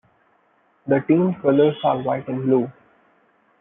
The team colours are white and blue.